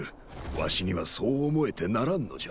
わしにはそう思えてならんのじゃ。